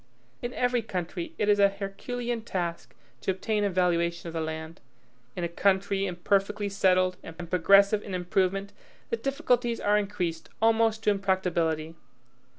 In every country it is a herculean task to obtain a valuation of the land; in a country imperfectly settled and progressive in improvement, the difficulties are increased almost to impracticability.